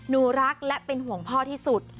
หนูรักและเป็นห่วงพ่อที่สุด